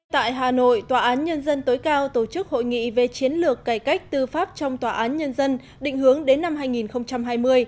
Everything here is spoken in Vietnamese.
tại hà nội tòa án nhân dân tối cao tổ chức hội nghị về chiến lược cải cách tư pháp trong tòa án nhân dân định hướng đến năm hai nghìn hai mươi